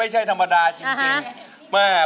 ไม่ใช่ธรรมดาจริง